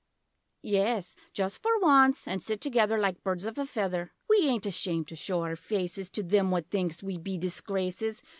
Yes! Just for once; an' sit together, Like birds of a feather! We aint ashamed to show our faces To them what thinks we be disgraces.